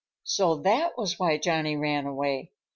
So that was why Johnny ran away.